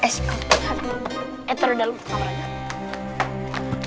eh taruh di dalam kameranya